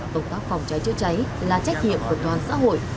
công tác phòng cháy chữa cháy là trách nhiệm của toàn xã hội